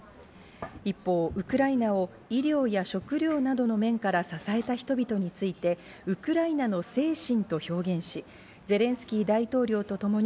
一方ウクライナを医療や食料などの面から支えた人々について、「ウクライナの精神」と表現し、ゼレンスキー大統領とともに